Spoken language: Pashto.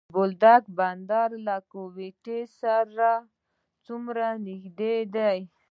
سپین بولدک بندر له کویټې سره څومره نږدې دی؟